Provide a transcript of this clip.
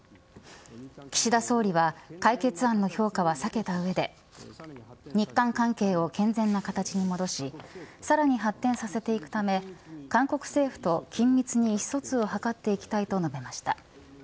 岸田総理は解決案の評価は避けた上で日韓関係を健全な形に戻しさらに発展させていくため韓国政府と緊密に意思疎通を図っていきたいと述べました。